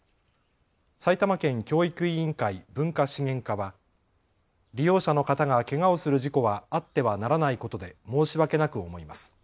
埼玉県教育委員会文化資源課は利用者の方がけがをする事故はあってはならないことで申し訳なく思います。